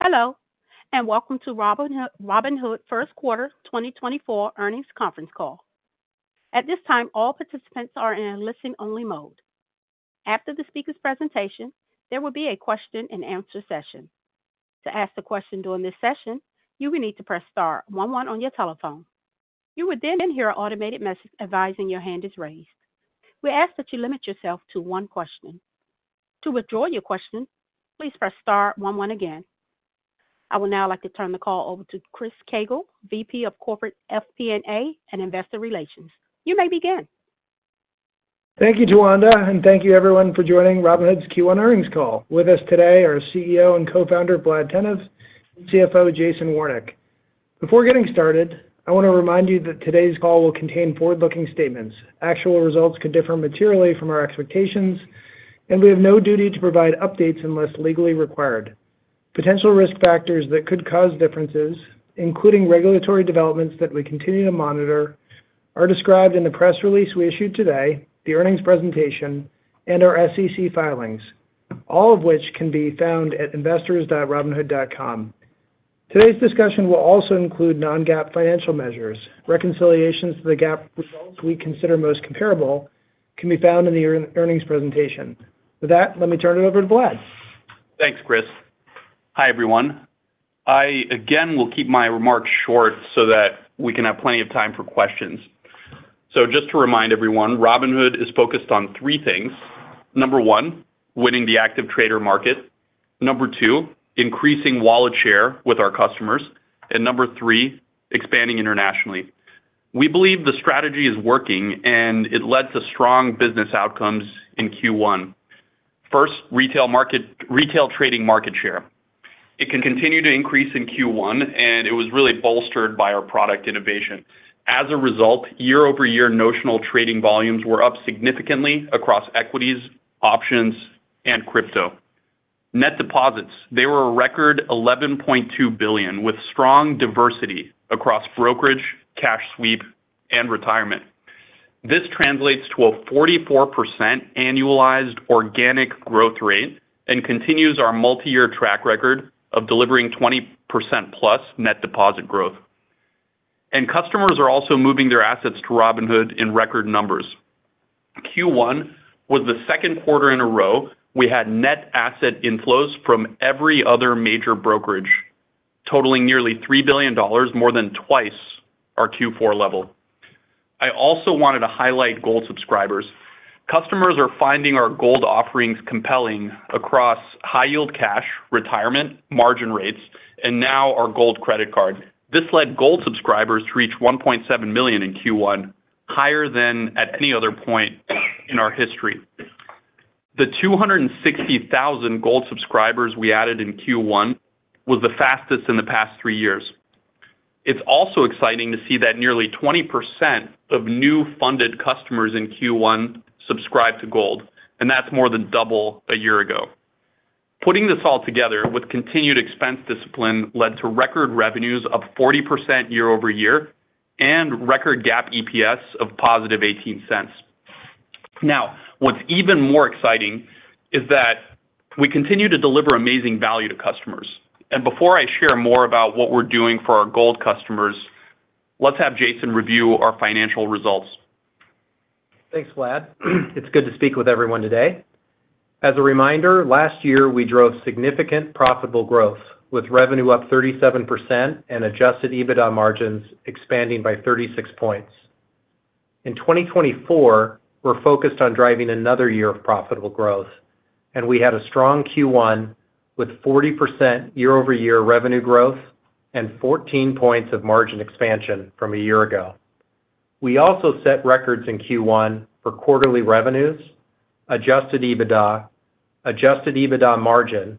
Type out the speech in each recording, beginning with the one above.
Hello, and welcome to Robinhood first quarter 2024 earnings conference call. At this time, all participants are in a listen-only mode. After the speaker's presentation, there will be a question and answer session. To ask a question during this session, you will need to press star one one on your telephone. You will then hear an automated message advising your hand is raised. We ask that you limit yourself to one question. To withdraw your question, please press star one one again. I would now like to turn the call over to Chris Koegel, VP of Corporate FP&A and Investor Relations. You may begin. Thank you, Tawanda, and thank you everyone for joining Robinhood's Q1 earnings call. With us today are CEO and Co-founder Vlad Tenev, CFO Jason Warnick. Before getting started, I want to remind you that today's call will contain forward-looking statements. Actual results could differ materially from our expectations, and we have no duty to provide updates unless legally required. Potential risk factors that could cause differences, including regulatory developments that we continue to monitor, are described in the press release we issued today, the earnings presentation, and our SEC filings, all of which can be found at investors.robinhood.com. Today's discussion will also include non-GAAP financial measures. Reconciliations to the GAAP results we consider most comparable can be found in the earnings presentation. With that, let me turn it over to Vlad. Thanks, Chris. Hi, everyone. I again will keep my remarks short so that we can have plenty of time for questions. Just to remind everyone, Robinhood is focused on three things. Number 1, winning the active trader market. Number 2, increasing wallet share with our customers. And number 3, expanding internationally. We believe the strategy is working, and it led to strong business outcomes in Q1. First, retail trading market share. It can continue to increase in Q1, and it was really bolstered by our product innovation. As a result, year-over-year notional trading volumes were up significantly across equities, options, and crypto. Net deposits, they were a record $11.2 billion, with strong diversity across brokerage, cash sweep, and retirement. This translates to a 44% annualized organic growth rate and continues our multi-year track record of delivering 20%+ net deposit growth. Customers are also moving their assets to Robinhood in record numbers. Q1 was the second quarter in a row we had net asset inflows from every other major brokerage, totaling nearly $3 billion, more than twice our Q4 level. I also wanted to highlight Gold subscribers. Customers are finding our Gold offerings compelling across high-yield cash, retirement, margin rates, and now our Gold credit card. This led Gold subscribers to reach 1.7 million in Q1, higher than at any other point in our history. The 260,000 Gold subscribers we added in Q1 was the fastest in the past 3 years. It's also exciting to see that nearly 20% of new funded customers in Q1 subscribe to Gold, and that's more than double a year ago. Putting this all together with continued expense discipline led to record revenues of 40% year-over-year and record GAAP EPS of $0.18. Now, what's even more exciting is that we continue to deliver amazing value to customers. Before I share more about what we're doing for our Gold customers, let's have Jason review our financial results. Thanks, Vlad. It's good to speak with everyone today. As a reminder, last year, we drove significant profitable growth, with revenue up 37% and adjusted EBITDA margins expanding by 36 points. In 2024, we're focused on driving another year of profitable growth, and we had a strong Q1 with 40% year-over-year revenue growth and 14 points of margin expansion from a year ago. We also set records in Q1 for quarterly revenues, adjusted EBITDA, adjusted EBITDA margin,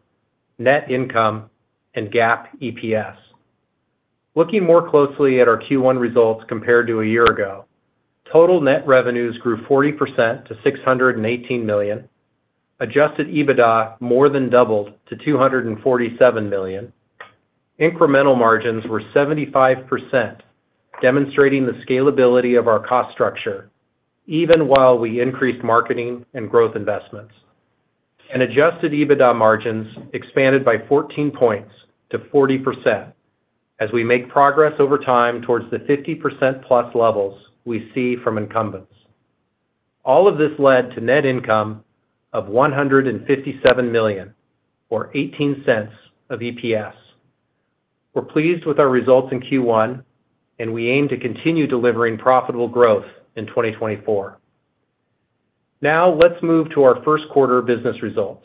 net income, and GAAP EPS. Looking more closely at our Q1 results compared to a year ago, total net revenues grew 40% to $618 million. Adjusted EBITDA more than doubled to $247 million. Incremental margins were 75%, demonstrating the scalability of our cost structure, even while we increased marketing and growth investments. Adjusted EBITDA margins expanded by 14 points to 40% as we make progress over time towards the 50%+ levels we see from incumbents. All of this led to net income of $157 million, or $0.18 of EPS. We're pleased with our results in Q1, and we aim to continue delivering profitable growth in 2024. Now, let's move to our first quarter business results.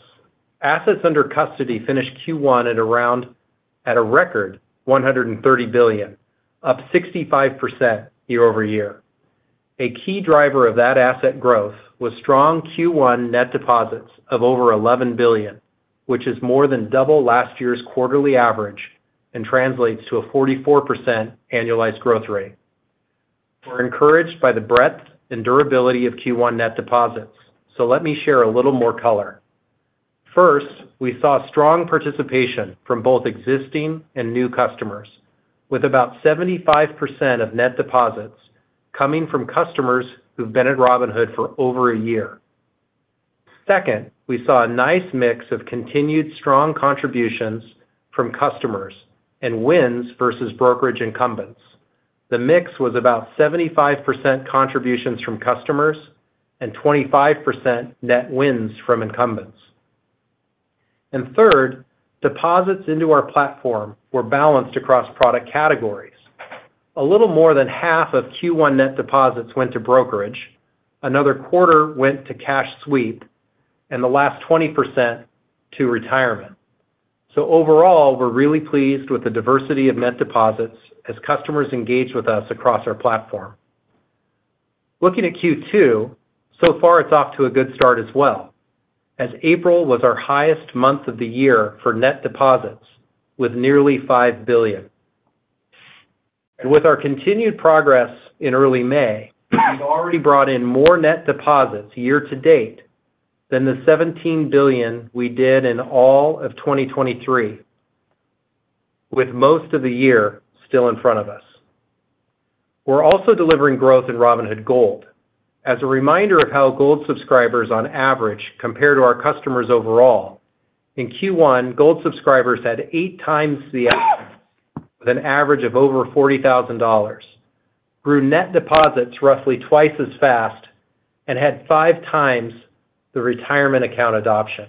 Assets under custody finished Q1 at a record $130 billion, up 65% year-over-year. A key driver of that asset growth was strong Q1 net deposits of over $11 billion, which is more than double last year's quarterly average and translates to a 44% annualized growth rate. We're encouraged by the breadth and durability of Q1 net deposits, so let me share a little more color. First, we saw strong participation from both existing and new customers, with about 75% of net deposits coming from customers who've been at Robinhood for over a year. Second, we saw a nice mix of continued strong contributions from customers and wins versus brokerage incumbents. The mix was about 75% contributions from customers and 25% net wins from incumbents. And third, deposits into our platform were balanced across product categories. A little more than half of Q1 net deposits went to brokerage, another quarter went to cash sweep, and the last 20% to retirement. So overall, we're really pleased with the diversity of net deposits as customers engage with us across our platform. Looking at Q2, so far it's off to a good start as well, as April was our highest month of the year for net deposits, with nearly $5 billion. With our continued progress in early May, we've already brought in more net deposits year-to-date than the $17 billion we did in all of 2023, with most of the year still in front of us. We're also delivering growth in Robinhood Gold. As a reminder of how Gold subscribers on average compare to our customers overall, in Q1, Gold subscribers had eight times the asset, with an average of over $40,000, grew net deposits roughly twice as fast, and had five times the retirement account adoption.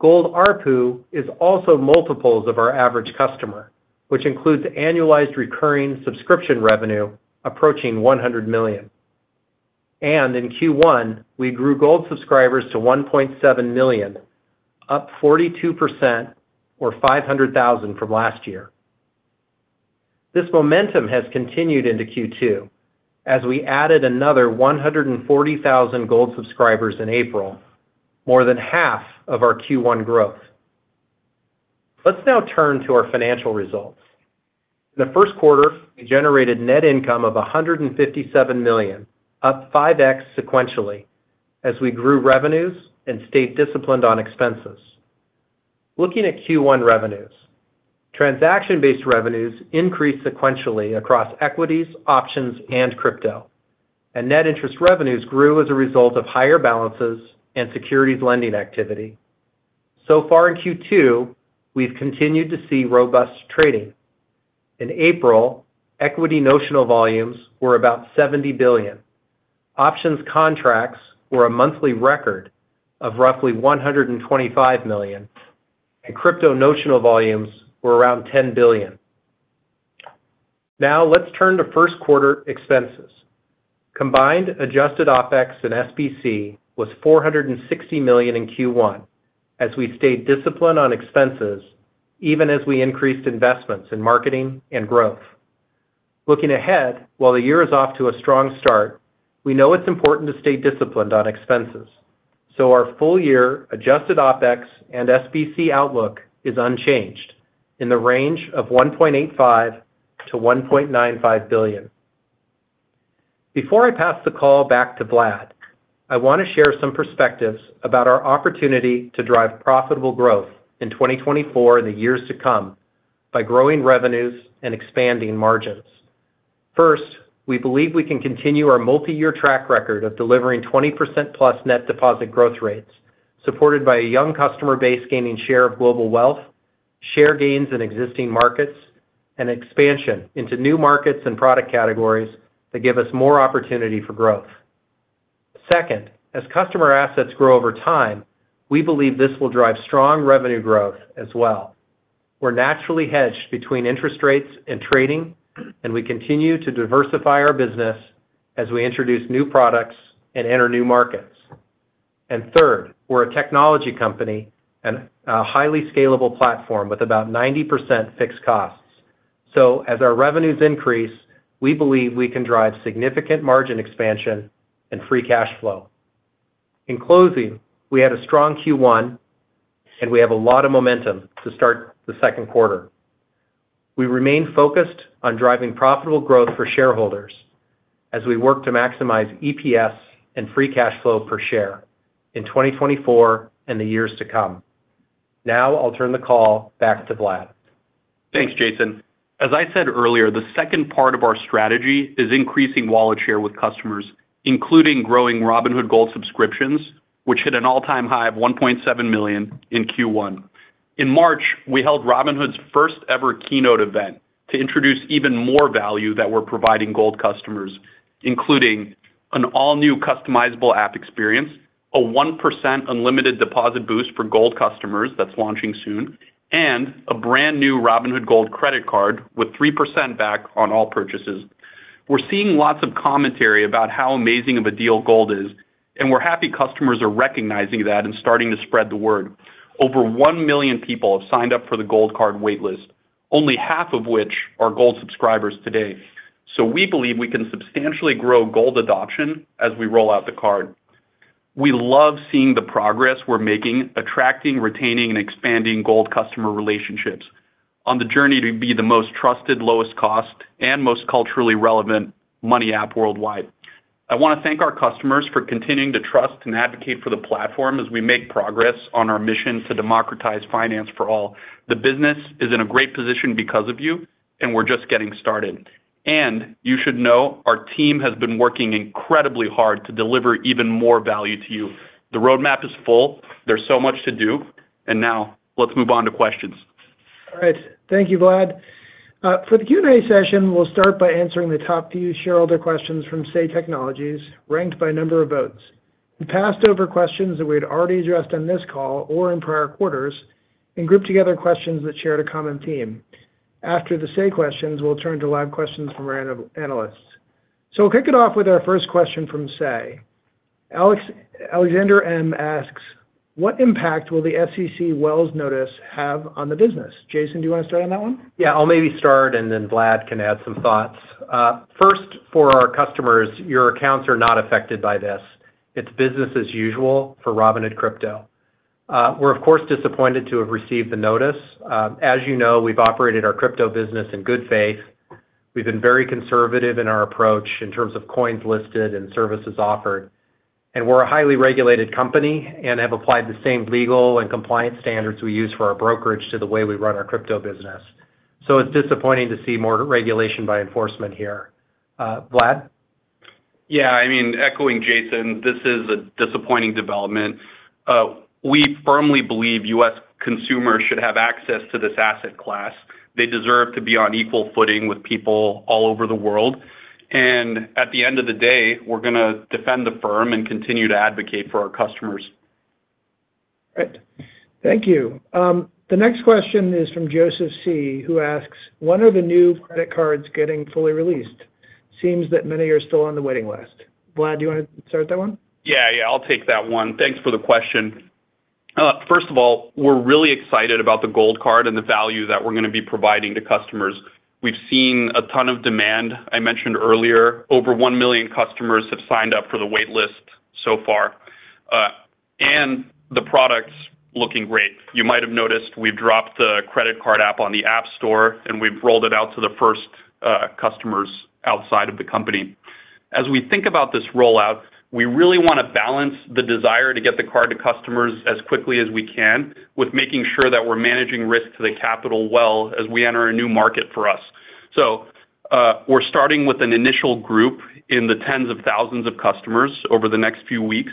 Gold ARPU is also multiples of our average customer, which includes annualized recurring subscription revenue approaching $100 million. In Q1, we grew Gold subscribers to 1.7 million, up 42% or 500,000 from last year. This momentum has continued into Q2, as we added another 140,000 Gold subscribers in April, more than half of our Q1 growth. Let's now turn to our financial results. In the first quarter, we generated net income of $157 million, up 5x sequentially, as we grew revenues and stayed disciplined on expenses. Looking at Q1 revenues, transaction-based revenues increased sequentially across equities, options, and crypto, and net interest revenues grew as a result of higher balances and securities lending activity. So far in Q2, we've continued to see robust trading. In April, equity notional volumes were about $70 billion. Options contracts were a monthly record of roughly 125 million, and crypto notional volumes were around $10 billion. Now, let's turn to first quarter expenses. Combined, Adjusted OpEx and SBC was $460 million in Q1, as we stayed disciplined on expenses, even as we increased investments in marketing and growth. Looking ahead, while the year is off to a strong start, we know it's important to stay disciplined on expenses, so our full year Adjusted OpEx and SBC outlook is unchanged in the range of $1.85 billion-$1.95 billion. Before I pass the call back to Vlad, I want to share some perspectives about our opportunity to drive profitable growth in 2024 and the years to come by growing revenues and expanding margins. First, we believe we can continue our multi-year track record of delivering 20% plus net deposit growth rates, supported by a young customer base gaining share of global wealth, share gains in existing markets, and expansion into new markets and product categories that give us more opportunity for growth. Second, as customer assets grow over time, we believe this will drive strong revenue growth as well. We're naturally hedged between interest rates and trading, and we continue to diversify our business as we introduce new products and enter new markets. And third, we're a technology company and a highly scalable platform with about 90% fixed costs. So as our revenues increase, we believe we can drive significant margin expansion and free cash flow. In closing, we had a strong Q1, and we have a lot of momentum to start the second quarter. We remain focused on driving profitable growth for shareholders as we work to maximize EPS and free cash flow per share in 2024 and the years to come. Now, I'll turn the call back to Vlad. Thanks, Jason. As I said earlier, the second part of our strategy is increasing wallet share with customers, including growing Robinhood Gold subscriptions, which hit an all-time high of 1.7 million in Q1. In March, we held Robinhood's first-ever keynote event to introduce even more value that we're providing Gold customers, including an all-new customizable app experience, a 1% unlimited deposit boost for Gold customers that's launching soon, and a brand new Robinhood Gold credit card with 3% back on all purchases. We're seeing lots of commentary about how amazing of a deal Gold is, and we're happy customers are recognizing that and starting to spread the word. Over 1 million people have signed up for the Gold Card wait list, only half of which are Gold subscribers today. So we believe we can substantially grow Gold adoption as we roll out the card. We love seeing the progress we're making, attracting, retaining, and expanding Gold customer relationships on the journey to be the most trusted, lowest cost, and most culturally relevant money app worldwide... I wanna thank our customers for continuing to trust and advocate for the platform as we make progress on our mission to democratize finance for all. The business is in a great position because of you, and we're just getting started. And you should know, our team has been working incredibly hard to deliver even more value to you. The roadmap is full. There's so much to do, and now let's move on to questions. All right. Thank you, Vlad. For the Q&A session, we'll start by answering the top few shareholder questions from Say Technologies, ranked by number of votes. We passed over questions that we had already addressed on this call or in prior quarters and grouped together questions that shared a common theme. After the Say questions, we'll turn to live questions from our analysts. So we'll kick it off with our first question from Say. Alexander M. asks, "What impact will the SEC Wells Notice have on the business?" Jason, do you wanna start on that one? Yeah, I'll maybe start, and then Vlad can add some thoughts. First, for our customers, your accounts are not affected by this. It's business as usual for Robinhood Crypto. We're, of course, disappointed to have received the notice. As you know, we've operated our crypto business in good faith. We've been very conservative in our approach in terms of coins listed and services offered, and we're a highly regulated company and have applied the same legal and compliance standards we use for our brokerage to the way we run our crypto business. So it's disappointing to see more regulation by enforcement here. Vlad? Yeah, I mean, echoing Jason, this is a disappointing development. We firmly believe U.S. consumers should have access to this asset class. They deserve to be on equal footing with people all over the world. And at the end of the day, we're gonna defend the firm and continue to advocate for our customers. Great. Thank you. The next question is from Joseph C., who asks, "When are the new credit cards getting fully released? Seems that many are still on the waiting list." Vlad, do you wanna start that one? Yeah. Yeah, I'll take that one. Thanks for the question. First of all, we're really excited about the Gold Card and the value that we're gonna be providing to customers. We've seen a ton of demand. I mentioned earlier, over 1 million customers have signed up for the wait list so far, and the product's looking great. You might have noticed we've dropped the credit card app on the App Store, and we've rolled it out to the first customers outside of the company. As we think about this rollout, we really wanna balance the desire to get the card to customers as quickly as we can, with making sure that we're managing risk to the capital well as we enter a new market for us. So, we're starting with an initial group in the tens of thousands of customers over the next few weeks,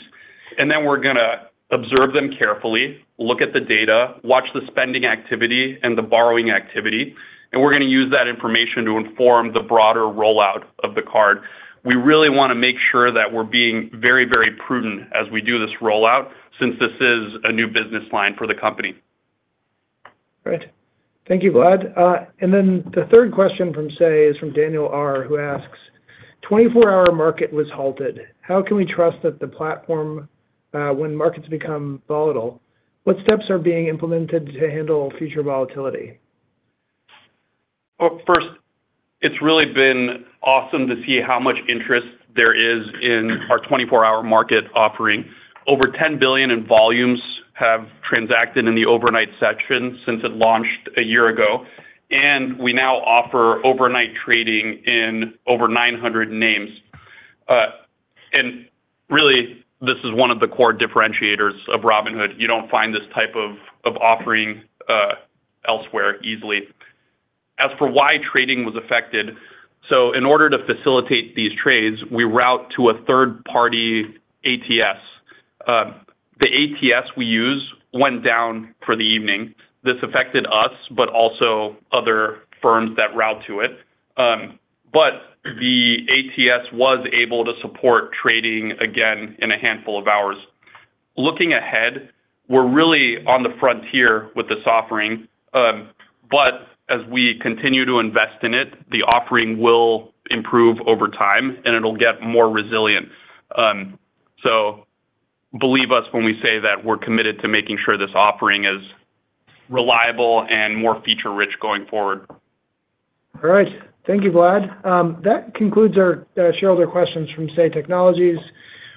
and then we're gonna observe them carefully, look at the data, watch the spending activity and the borrowing activity, and we're gonna use that information to inform the broader rollout of the card. We really wanna make sure that we're being very, very prudent as we do this rollout since this is a new business line for the company. Great. Thank you, Vlad. And then the third question from Say is from Daniel R., who asks, "Twenty-four-hour market was halted. How can we trust that the platform, when markets become volatile? What steps are being implemented to handle future volatility? Well, first, it's really been awesome to see how much interest there is in our 24-hour market offering. Over $10 billion in volumes have transacted in the overnight session since it launched a year ago, and we now offer overnight trading in over 900 names. And really, this is one of the core differentiators of Robinhood. You don't find this type of, of offering elsewhere easily. As for why trading was affected, so in order to facilitate these trades, we route to a third-party ATS. The ATS we use went down for the evening. This affected us, but also other firms that route to it. But the ATS was able to support trading again in a handful of hours. Looking ahead, we're really on the frontier with this offering, but as we continue to invest in it, the offering will improve over time, and it'll get more resilient. So believe us when we say that we're committed to making sure this offering is reliable and more feature-rich going forward. All right. Thank you, Vlad. That concludes our shareholder questions from Say Technologies.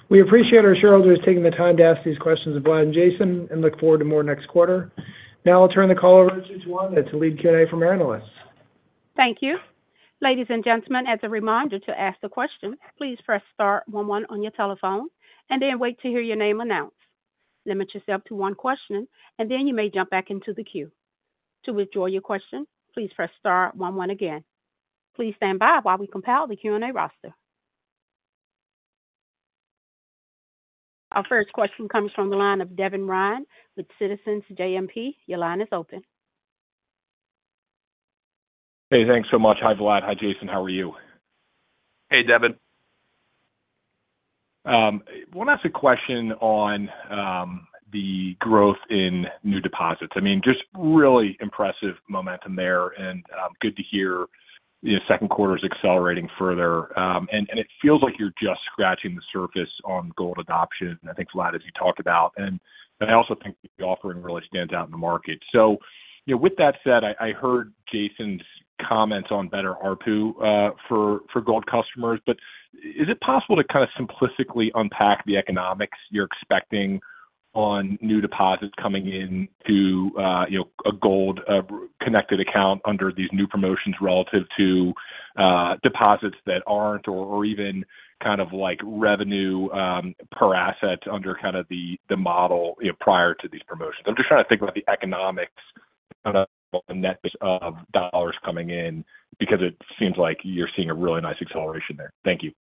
We appreciate our shareholders taking the time to ask these questions of Vlad and Jason, and look forward to more next quarter. Now I'll turn the call over to Juwan to lead Q&A from our analysts. Thank you. Ladies and gentlemen, as a reminder to ask the question, please press star one one on your telephone, and then wait to hear your name announced. Limit yourself to one question, and then you may jump back into the queue. To withdraw your question, please press star one one again. Please stand by while we compile the Q&A roster. Our first question comes from the line of Devin Ryan with Citizens JMP. Your line is open. Hey, thanks so much. Hi, Vlad. Hi, Jason. How are you? Hey, Devin. Wanna ask a question on the growth in new deposits. I mean, just really impressive momentum there, and good to hear, you know, second quarter is accelerating further. And it feels like you're just scratching the surface on Gold adoption, I think, Vlad, as you talked about, and but I also think the offering really stands out in the market. So, you know, with that said, I, I heard Jason's comments on better ARPU for Gold customers, but is it possible to kind of simplistically unpack the economics you're expecting-... on new deposits coming in to, you know, a Gold connected account under these new promotions relative to, deposits that aren't, or even kind of like revenue per asset under kind of the model, you know, prior to these promotions? I'm just trying to think about the economics of the net of dollars coming in, because it seems like you're seeing a really nice acceleration there. Thank you.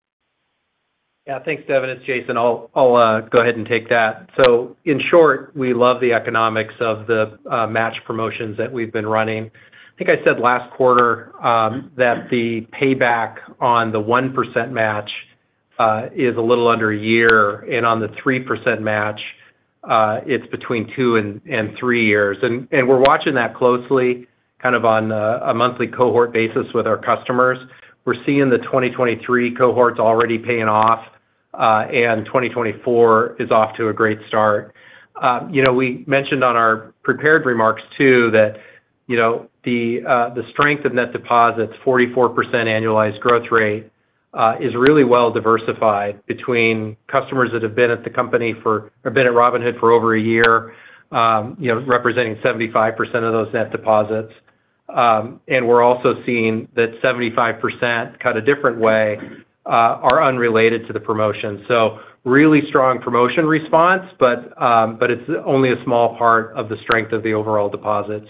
Yeah, thanks, Devin. It's Jason. I'll go ahead and take that. So in short, we love the economics of the match promotions that we've been running. I think I said last quarter that the payback on the 1% match is a little under a year, and on the 3% match it's between 2 and 3 years. And we're watching that closely, kind of on a monthly cohort basis with our customers. We're seeing the 2023 cohorts already paying off, and 2024 is off to a great start. You know, we mentioned on our prepared remarks, too, that, you know, the strength of net deposits, 44% annualized growth rate, is really well diversified between customers that have been at the company for- or been at Robinhood for over a year, you know, representing 75% of those net deposits. And we're also seeing that 75%, cut a different way, are unrelated to the promotion. So really strong promotion response, but, but it's only a small part of the strength of the overall deposits,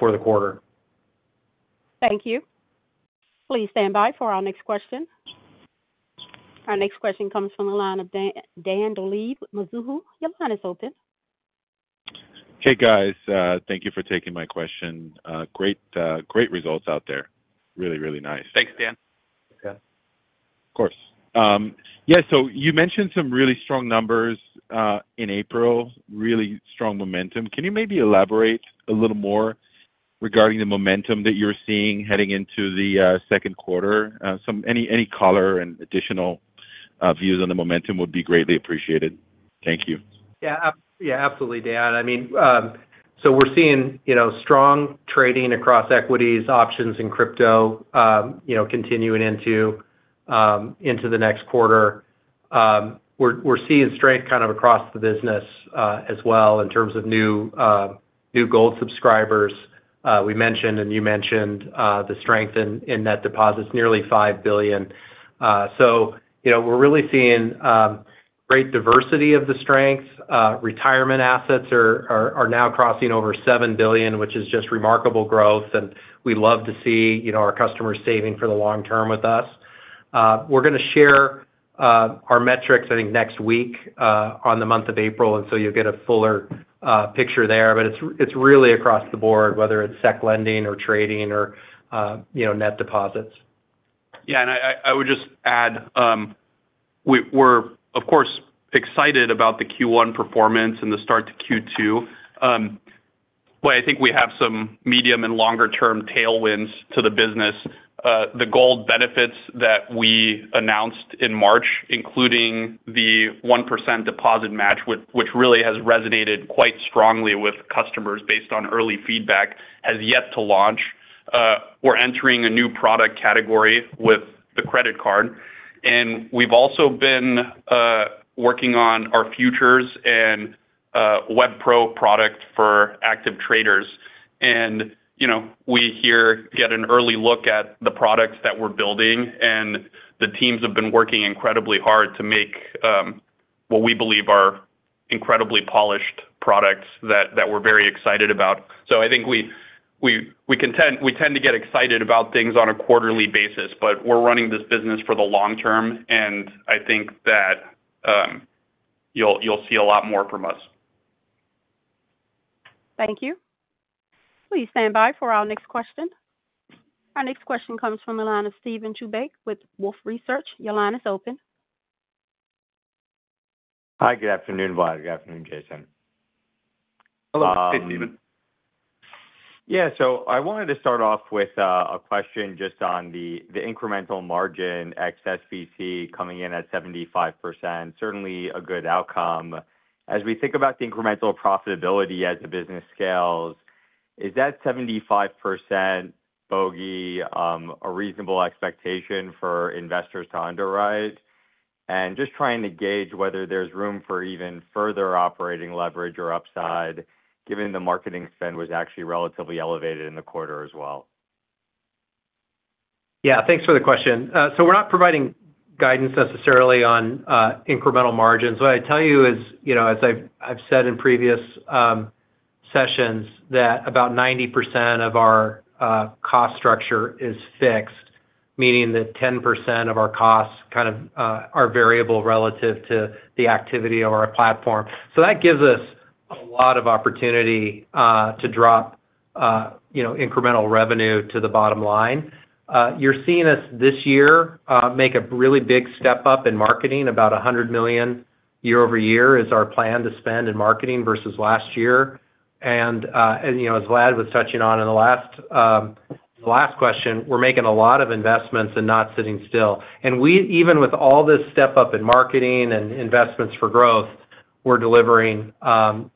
for the quarter. Thank you. Please stand by for our next question. Our next question comes from the line of Dan, Dan Dolev, Mizuho. Your line is open. Hey, guys, thank you for taking my question. Great, great results out there. Really, really nice. Thanks, Dan. Yeah. Of course. Yeah, so you mentioned some really strong numbers in April, really strong momentum. Can you maybe elaborate a little more regarding the momentum that you're seeing heading into the second quarter? Any color and additional views on the momentum would be greatly appreciated. Thank you. Yeah, yeah, absolutely, Dan. I mean, so we're seeing, you know, strong trading across equities, options, and crypto, you know, continuing into the next quarter. We're seeing strength kind of across the business, as well, in terms of new Gold subscribers. We mentioned, and you mentioned, the strength in net deposits, nearly $5 billion. So you know, we're really seeing great diversity of the strengths. Retirement assets are now crossing over $7 billion, which is just remarkable growth, and we love to see, you know, our customers saving for the long term with us. We're gonna share our metrics, I think, next week, on the month of April, and so you'll get a fuller picture there. But it's, it's really across the board, whether it's securities lending or trading or, you know, net deposits. Yeah, and I would just add, we're, of course, excited about the Q1 performance and the start to Q2. But I think we have some medium and longer term tailwinds to the business. The Gold benefits that we announced in March, including the 1% deposit match, which really has resonated quite strongly with customers based on early feedback, has yet to launch. We're entering a new product category with the credit card, and we've also been working on our futures and Web Pro product for active traders. And, you know, we here get an early look at the products that we're building, and the teams have been working incredibly hard to make what we believe are incredibly polished products that we're very excited about. So I think we tend to get excited about things on a quarterly basis, but we're running this business for the long term, and I think that you'll see a lot more from us. Thank you. Please stand by for our next question. Our next question comes from the line of Steven Chubak with Wolfe Research. Your line is open. Hi, good afternoon, Vlad. Good afternoon, Jason. Hello. Hey, Steven. Yeah, so I wanted to start off with a question just on the incremental margin, XSVC, coming in at 75%. Certainly, a good outcome. As we think about the incremental profitability as the business scales, is that 75% bogey a reasonable expectation for investors to underwrite? And just trying to gauge whether there's room for even further operating leverage or upside, given the marketing spend was actually relatively elevated in the quarter as well. Yeah, thanks for the question. So we're not providing guidance necessarily on incremental margins. What I'd tell you is, you know, as I've said in previous sessions, that about 90% of our cost structure is fixed, meaning that 10% of our costs kind of are variable relative to the activity of our platform. So that gives us a lot of opportunity to drop, you know, incremental revenue to the bottom line. You're seeing us this year make a really big step up in marketing. About $100 million year-over-year is our plan to spend in marketing versus last year. And, you know, as Vlad was touching on in the last question, we're making a lot of investments and not sitting still. And even with all this step up in marketing and investments for growth, we're delivering,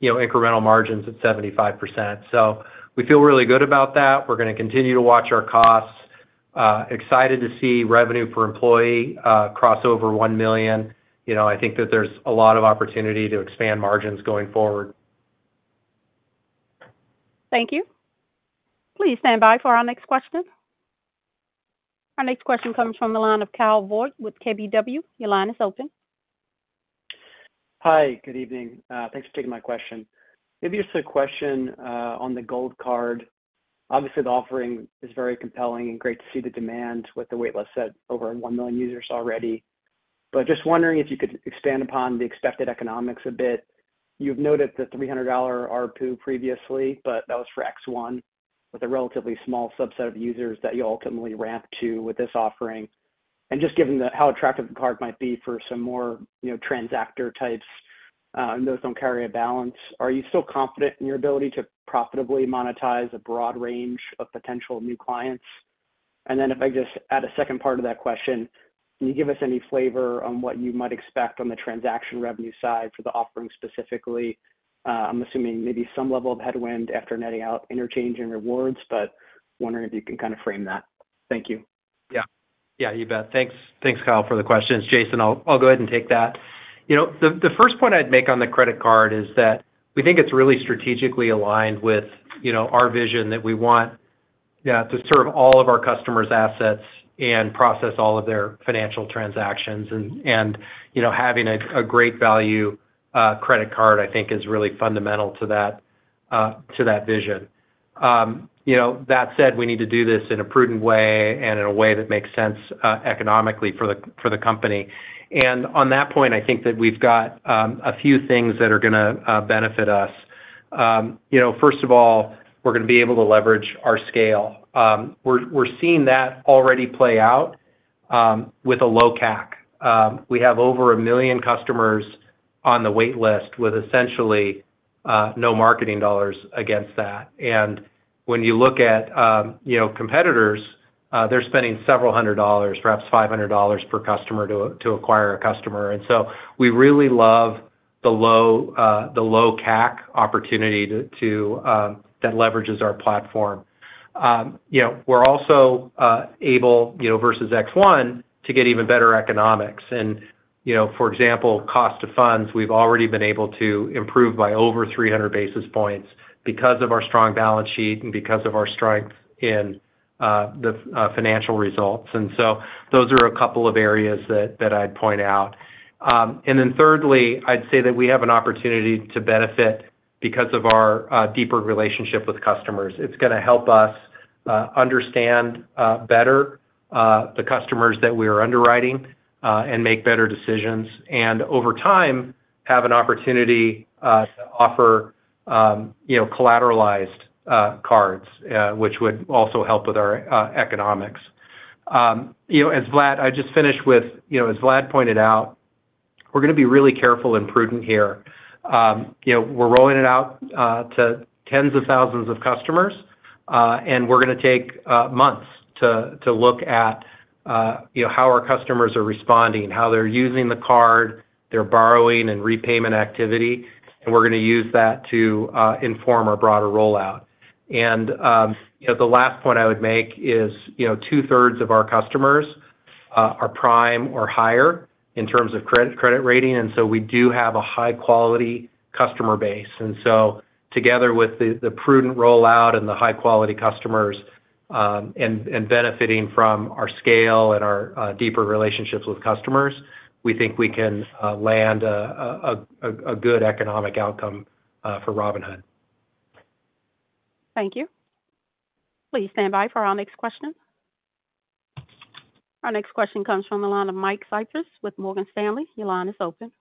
you know, incremental margins at 75%. So we feel really good about that. We're gonna continue to watch our costs.... excited to see revenue per employee cross over $1 million. You know, I think that there's a lot of opportunity to expand margins going forward. Thank you. Please stand by for our next question. Our next question comes from the line of Kyle Voigt with KBW. Your line is open. Hi, good evening. Thanks for taking my question. Maybe just a question on the Gold Card. Obviously, the offering is very compelling and great to see the demand with the wait list at over 1 million users already. But just wondering if you could expand upon the expected economics a bit. You've noted the $300 ARPU previously, but that was for X1, with a relatively small subset of users that you ultimately ramp to with this offering. And just given the how attractive the card might be for some more, you know, transactor types, and those don't carry a balance, are you still confident in your ability to profitably monetize a broad range of potential new clients? And then if I just add a second part to that question, can you give us any flavor on what you might expect on the transaction revenue side for the offering specifically? I'm assuming maybe some level of headwind after netting out interchange and rewards, but wondering if you can kind of frame that. Thank you. Yeah. Yeah, you bet. Thanks, thanks, Kyle, for the questions. Jason, I'll go ahead and take that. You know, the first point I'd make on the credit card is that we think it's really strategically aligned with, you know, our vision that we want, yeah, to serve all of our customers' assets and process all of their financial transactions. And, you know, having a great value credit card, I think, is really fundamental to that vision. You know, that said, we need to do this in a prudent way and in a way that makes sense economically for the company. And on that point, I think that we've got a few things that are gonna benefit us. You know, first of all, we're gonna be able to leverage our scale. We're seeing that already play out with a low CAC. We have over 1 million customers on the wait list with essentially no marketing dollars against that. And when you look at you know, competitors, they're spending several hundred dollars, perhaps $500 per customer to acquire a customer. And so we really love the low CAC opportunity to that leverages our platform. You know, we're also able, you know, versus X1, to get even better economics. And you know, for example, cost of funds, we've already been able to improve by over 300 basis points because of our strong balance sheet and because of our strength in the financial results. And so those are a couple of areas that I'd point out. And then thirdly, I'd say that we have an opportunity to benefit because of our deeper relationship with customers. It's gonna help us understand better the customers that we are underwriting and make better decisions, and over time, have an opportunity to offer, you know, collateralized cards, which would also help with our economics. You know, I'll just finish with, you know, as Vlad pointed out, we're gonna be really careful and prudent here. You know, we're rolling it out to tens of thousands of customers and we're gonna take months to look at, you know, how our customers are responding, how they're using the card, their borrowing and repayment activity, and we're gonna use that to inform our broader rollout. You know, the last point I would make is, you know, two-thirds of our customers are prime or higher in terms of credit, credit rating, and so we do have a high-quality customer base. And so together with the prudent rollout and the high-quality customers, and benefiting from our scale and our deeper relationships with customers, we think we can land a good economic outcome for Robinhood. Thank you. Please stand by for our next question. Our next question comes from the line of Michael Cyprys with Morgan Stanley. Your line is open.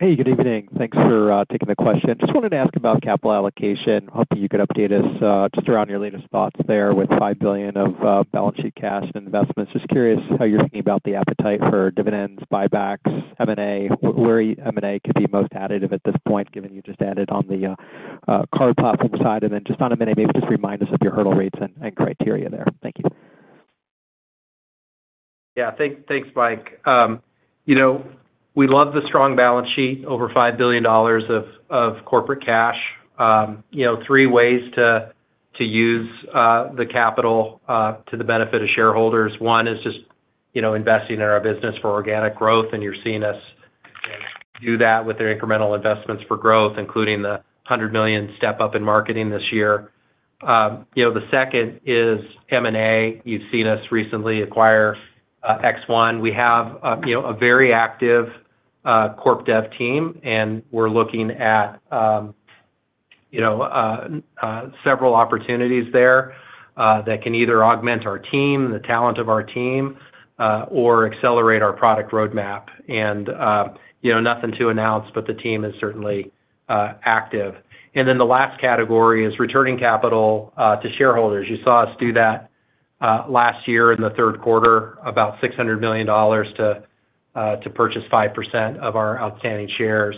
Hey, good evening. Thanks for taking the question. Just wanted to ask about capital allocation. Hoping you could update us, just around your latest thoughts there with $5 billion of balance sheet cash and investments. Just curious how you're thinking about the appetite for dividends, buybacks, M&A, where M&A could be most additive at this point, given you just added on the card platform side? And then just on M&A, maybe just remind us of your hurdle rates and criteria there. Thank you. Yeah. Thanks, Mike. You know, we love the strong balance sheet, over $5 billion of corporate cash. You know, three ways to use the capital to the benefit of shareholders. One is just, you know, investing in our business for organic growth, and you're seeing us do that with the incremental investments for growth, including the $100 million step-up in marketing this year. You know, the second is M&A. You've seen us recently acquire X1. We have a very active corp dev team, and we're looking at several opportunities there that can either augment our team, the talent of our team, or accelerate our product roadmap. And you know, nothing to announce, but the team is certainly active. And then the last category is returning capital to shareholders. You saw us do that last year in the third quarter, about $600 million to purchase 5% of our outstanding shares.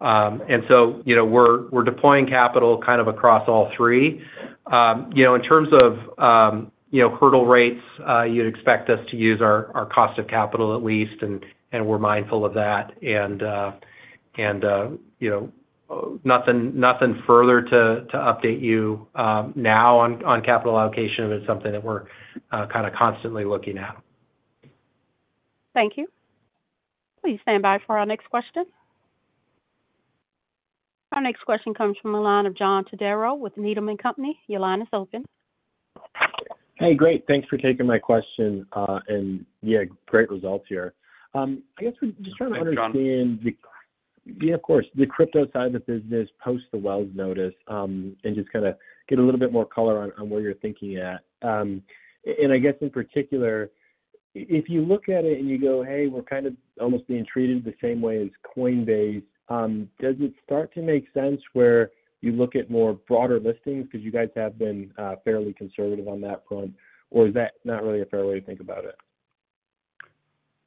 And so, you know, we're deploying capital kind of across all three. You know, in terms of, you know, hurdle rates, you'd expect us to use our cost of capital at least, and we're mindful of that. And you know, nothing further to update you now on capital allocation. It's something that we're kind of constantly looking at. Thank you. Please stand by for our next question. Our next question comes from the line of John Todaro with Needham & Company. Your line is open. Hey, great. Thanks for taking my question. Yeah, great results here. I guess we just trying to- Thanks, John. Yeah, of course, the crypto side of the business post the Wells Notice, and just kind of get a little bit more color on, on where you're thinking at. And I guess in particular, if you look at it and you go, "Hey, we're kind of almost being treated the same way as Coinbase," does it start to make sense where you look at more broader listings? Because you guys have been fairly conservative on that front, or is that not really a fair way to think about it?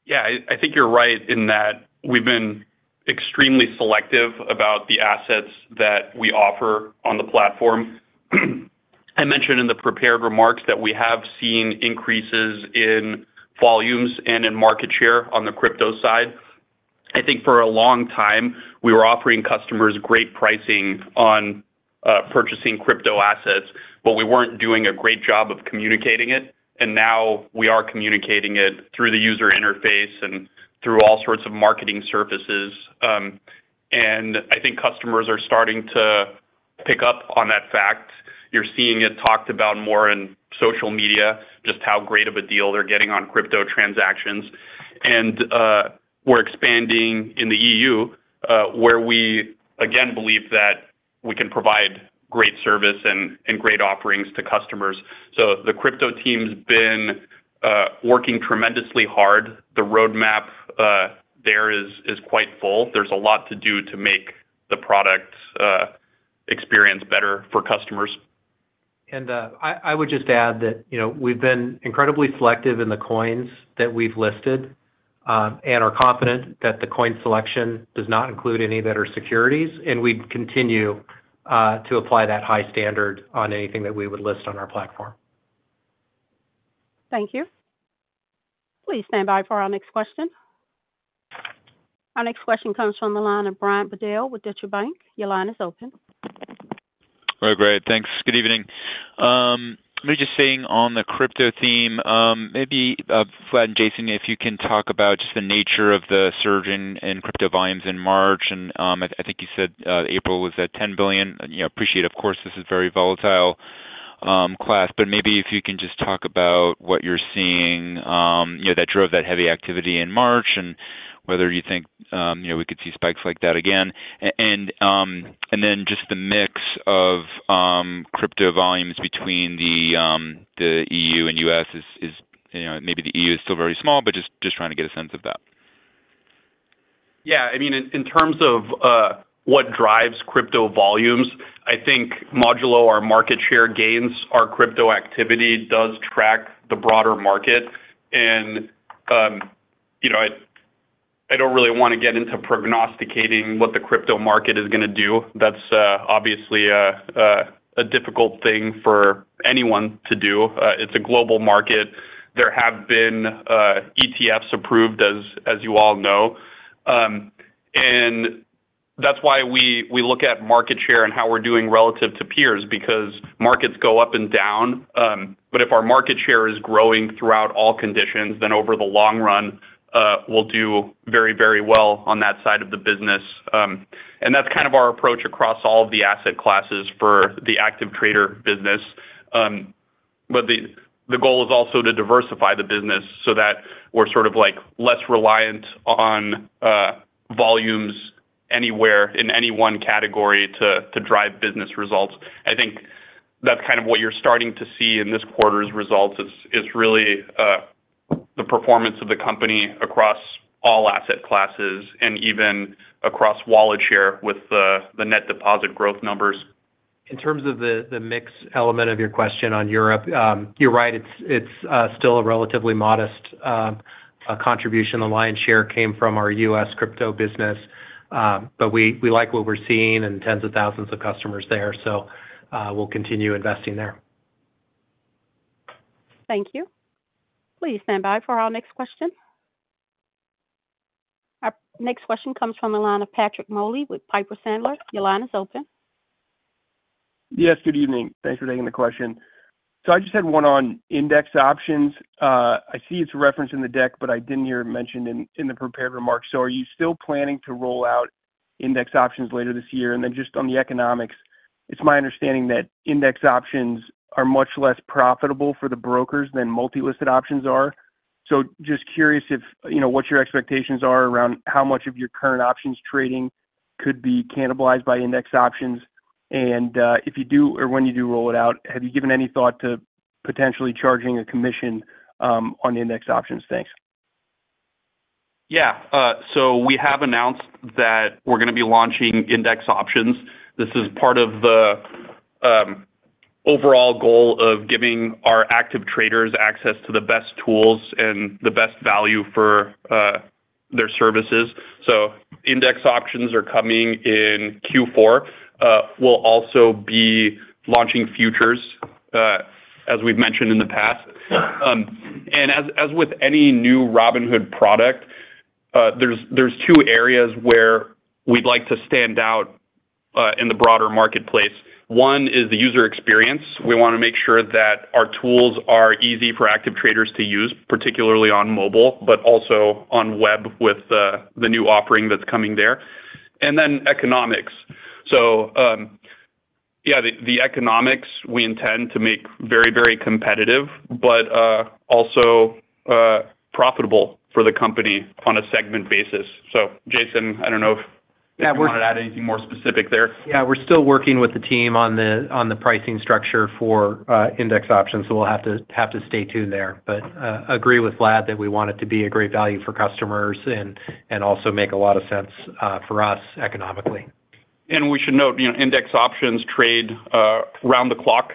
Yeah, I think you're right in that we've been extremely selective about the assets that we offer on the platform. I mentioned in the prepared remarks that we have seen increases in volumes and in market share on the crypto side. I think for a long time we were offering customers great pricing on purchasing crypto assets, but we weren't doing a great job of communicating it, and now we are communicating it through the user interface and through all sorts of marketing surfaces. And I think customers are starting to pick up on that fact. You're seeing it talked about more in social media, just how great of a deal they're getting on crypto transactions. And we're expanding in the EU, where we again believe that we can provide great service and great offerings to customers. So the crypto team's been working tremendously hard. The roadmap there is quite full. There's a lot to do to make the product experience better for customers. I would just add that, you know, we've been incredibly selective in the coins that we've listed, and are confident that the coin selection does not include any that are securities, and we continue to apply that high standard on anything that we would list on our platform. Thank you. Please stand by for our next question. Our next question comes from the line of Brian Bedell with Deutsche Bank. Your line is open. Very great. Thanks. Good evening. Let me just stay on the crypto theme. Maybe Vlad and Jason, if you can talk about just the nature of the surge in crypto volumes in March, and I think you said April, was that $10 billion? You know, I appreciate, of course, this is a very volatile asset class, but maybe if you can just talk about what you're seeing, you know, that drove that heavy activity in March, and whether you think, you know, we could see spikes like that again. And then just the mix of crypto volumes between the EU and the U.S. is, you know, maybe the EU is still very small, but just trying to get a sense of that. Yeah, I mean, in, in terms of what drives crypto volumes, I think modulo our market share gains, our crypto activity does track the broader market. And, you know, I, I don't really want to get into prognosticating what the crypto market is gonna do. That's obviously a difficult thing for anyone to do. It's a global market. There have been ETFs approved, as, as you all know. And that's why we, we look at market share and how we're doing relative to peers, because markets go up and down, but if our market share is growing throughout all conditions, then over the long run, we'll do very, very well on that side of the business. And that's kind of our approach across all of the asset classes for the active trader business. But the goal is also to diversify the business so that we're sort of, like, less reliant on volumes anywhere in any one category to drive business results. I think that's kind of what you're starting to see in this quarter's results is really the performance of the company across all asset classes and even across wallet share with the net deposit growth numbers. In terms of the mix element of your question on Europe, you're right, it's still a relatively modest contribution. The lion's share came from our U.S. crypto business, but we like what we're seeing and tens of thousands of customers there, so we'll continue investing there. Thank you. Please stand by for our next question. Our next question comes from the line of Patrick Moley with Piper Sandler. Your line is open. Yes, good evening. Thanks for taking the question. So I just had one on index options. I see it's referenced in the deck, but I didn't hear it mentioned in the prepared remarks. So are you still planning to roll out index options later this year? And then just on the economics, it's my understanding that index options are much less profitable for the brokers than multi-listed options are. So just curious if, you know, what your expectations are around how much of your current options trading could be cannibalized by index options, and, if you do or when you do roll it out, have you given any thought to potentially charging a commission on index options? Thanks. Yeah. So we have announced that we're gonna be launching index options. This is part of the overall goal of giving our active traders access to the best tools and the best value for their services. So index options are coming in Q4. We'll also be launching futures, as we've mentioned in the past. And as with any new Robinhood product, there's two areas where we'd like to stand out in the broader marketplace. One is the user experience. We wanna make sure that our tools are easy for active traders to use, particularly on mobile, but also on web with the new offering that's coming there, and then economics. So, yeah, the economics, we intend to make very, very competitive, but also profitable for the company on a segment basis. So Jason, I don't know if- Yeah, we're- You wanna add anything more specific there? Yeah, we're still working with the team on the pricing structure for index options, so we'll have to stay tuned there. But, agree with Vlad that we want it to be a great value for customers and also make a lot of sense for us economically. And we should note, you know, index options trade round the clock,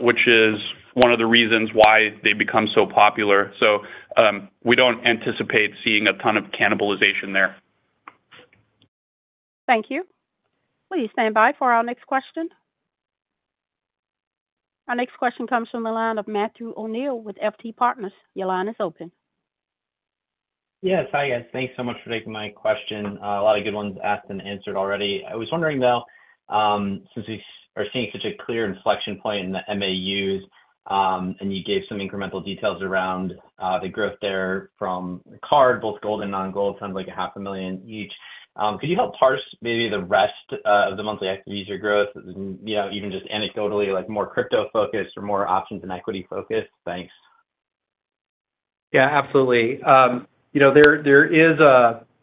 which is one of the reasons why they've become so popular. So, we don't anticipate seeing a ton of cannibalization there. Thank you. Please stand by for our next question. Our next question comes from the line of Matthew O'Neill with FT Partners. Your line is open. Yes. Hi, guys. Thanks so much for taking my question. A lot of good ones asked and answered already. I was wondering, though, since we are seeing such a clear inflection point in the MAUs, and you gave some incremental details around the growth there from card, both gold and non-gold, sounds like 500,000 each, could you help parse maybe the rest of the monthly active user growth? You know, even just anecdotally, like more crypto-focused or more options and equity-focused? Thanks. Yeah, absolutely. You know, there is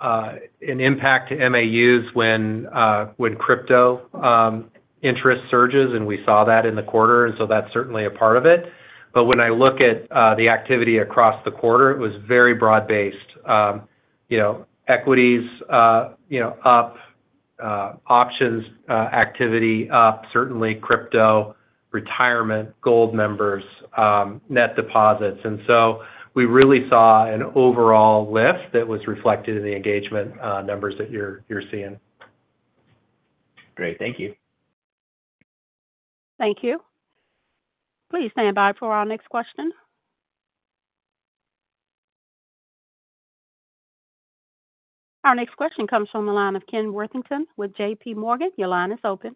an impact to MAUs when crypto interest surges, and we saw that in the quarter, and so that's certainly a part of it. But when I look at the activity across the quarter, it was very broad-based. You know, equities, you know, up, options, activity up, certainly crypto, retirement, gold members, net deposits. And so we really saw an overall lift that was reflected in the engagement numbers that you're seeing. Great. Thank you. Thank you. Please stand by for our next question. Our next question comes from the line of Ken Worthington with J.P. Morgan. Your line is open.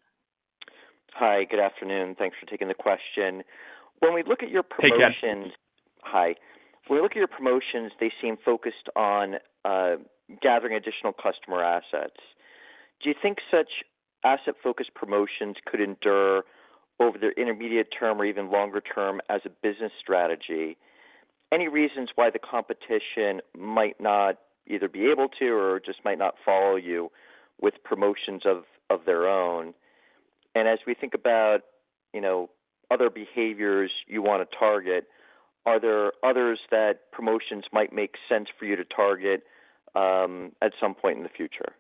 Hi, good afternoon. Thanks for taking the question. When we look at your promotions- Hey, Ken. Hi. When we look at your promotions, they seem focused on gathering additional customer assets. Do you think such asset-focused promotions could endure over the intermediate term or even longer term as a business strategy? Any reasons why the competition might not either be able to or just might not follow you with promotions of their own? And as we think about, you know, other behaviors you wanna target, are there others that promotions might make sense for you to target at some point in the future?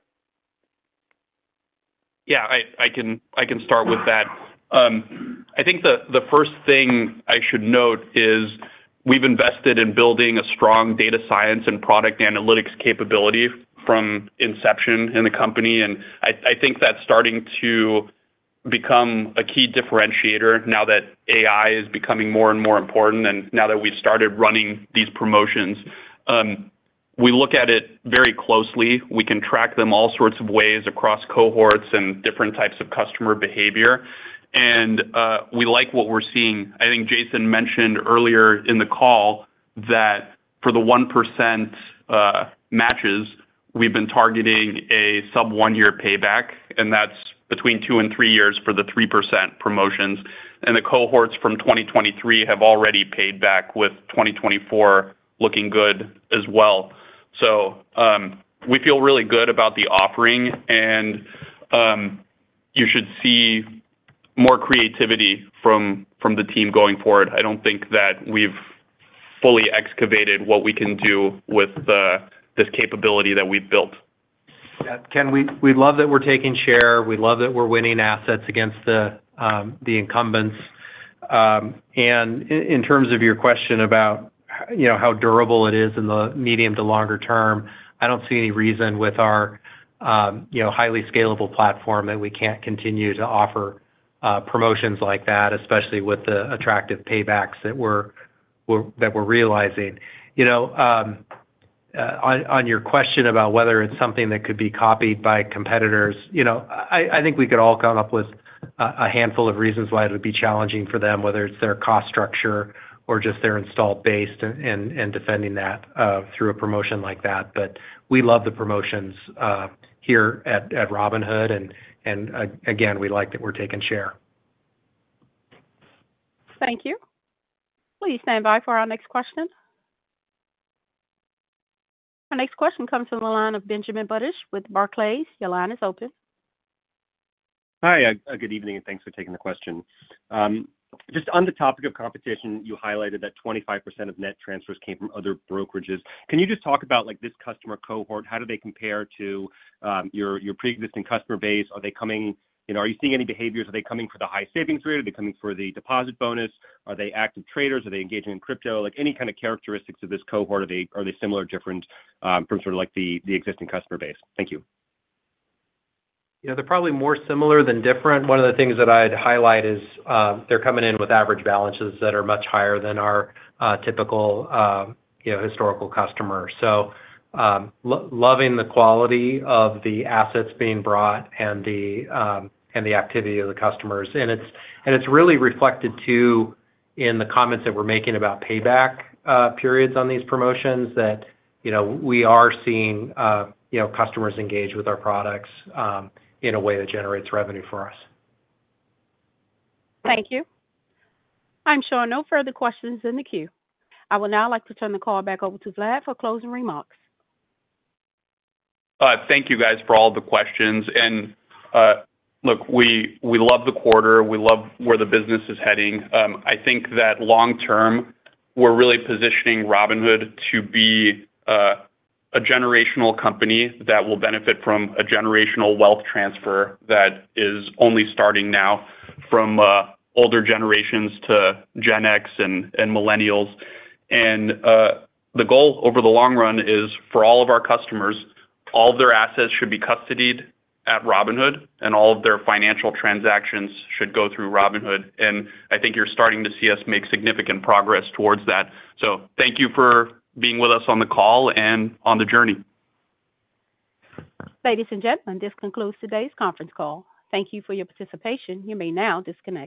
Yeah, I can start with that. I think the first thing I should note is we've invested in building a strong data science and product analytics capability from inception in the company, and I think that's starting to become a key differentiator now that AI is becoming more and more important and now that we've started running these promotions. We look at it very closely. We can track them all sorts of ways across cohorts and different types of customer behavior, and we like what we're seeing. I think Jason mentioned earlier in the call that for the 1% matches, we've been targeting a sub-1-year payback, and that's between 2 and 3 years for the 3% promotions. And the cohorts from 2023 have already paid back, with 2024 looking good as well. We feel really good about the offering, and you should see more creativity from the team going forward. I don't think that we've fully excavated what we can do with this capability that we've built. Yeah. Ken, we, we love that we're taking share, we love that we're winning assets against the incumbents. And in terms of your question about you know, how durable it is in the medium to longer term, I don't see any reason with our you know, highly scalable platform that we can't continue to offer promotions like that, especially with the attractive paybacks that we're realizing. You know, on your question about whether it's something that could be copied by competitors, you know, I think we could all come up with a handful of reasons why it would be challenging for them, whether it's their cost structure or just their installed base and defending that through a promotion like that. We love the promotions here at Robinhood, and again, we like that we're taking share. Thank you. Please stand by for our next question. Our next question comes from the line of Benjamin Budish with Barclays. Your line is open. Hi, good evening, and thanks for taking the question. Just on the topic of competition, you highlighted that 25% of net transfers came from other brokerages. Can you just talk about, like, this customer cohort? How do they compare to your pre-existing customer base? Are they coming? You know, are you seeing any behaviors? Are they coming for the high savings rate? Are they coming for the deposit bonus? Are they active traders? Are they engaging in crypto? Like, any kind of characteristics of this cohort. Are they similar or different from sort of like the existing customer base? Thank you. You know, they're probably more similar than different. One of the things that I'd highlight is, they're coming in with average balances that are much higher than our typical, you know, historical customer. So, loving the quality of the assets being brought and the activity of the customers. And it's really reflected, too, in the comments that we're making about payback periods on these promotions that, you know, we are seeing, you know, customers engage with our products in a way that generates revenue for us. Thank you. I'm showing no further questions in the queue. I would now like to turn the call back over to Vlad for closing remarks. Thank you, guys, for all the questions, and look, we love the quarter. We love where the business is heading. I think that long term, we're really positioning Robinhood to be a generational company that will benefit from a generational wealth transfer that is only starting now from older generations to Gen X and millennials. The goal over the long run is for all of our customers, all of their assets should be custodied at Robinhood, and all of their financial transactions should go through Robinhood, and I think you're starting to see us make significant progress towards that. So thank you for being with us on the call and on the journey. Ladies and gentlemen, this concludes today's conference call. Thank you for your participation. You may now disconnect.